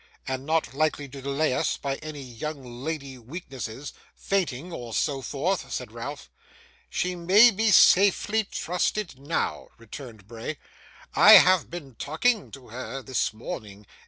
'And not likely to delay us by any young lady weaknesses fainting, or so forth?' said Ralph. 'She may be safely trusted now,' returned Bray. 'I have been talking to her this morning.